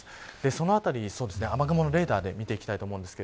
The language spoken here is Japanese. そのあたり雨雲のレーダーで見ていきます。